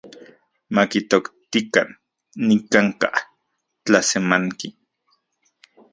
Makitoktikan nikanka’ tlasemanki.